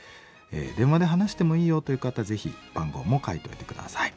電話で話してもいいよという方ぜひ番号も書いておいて下さい。